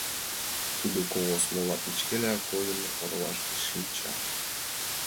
Тудо, кугу смола печкела койын, орваште шинча.